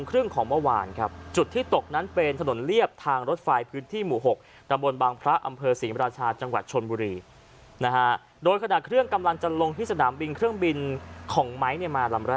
และก็กระแทกพื้นเกิดเพลิงลุกไหม้ทำให้ไม้ลมเบิกเสียชีวิตทันที